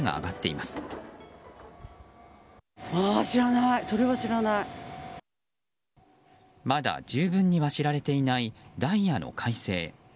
まだ、十分には知られていないダイヤの改正。